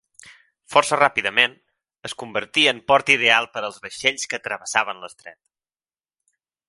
Força ràpidament, es convertí en port ideal per als vaixells que travessaven l'estret.